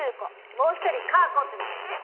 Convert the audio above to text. もう一人カー子ってのがいて。